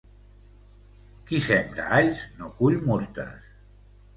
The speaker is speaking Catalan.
Qui sembra alls, no cull murtes.